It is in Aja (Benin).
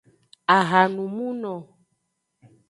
Ahanumuno.